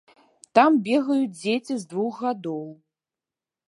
Там бегаюць дзеці з двух гадоў.